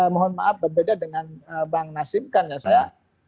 mohon maaf berbeda dengan bang nasib kan ya saya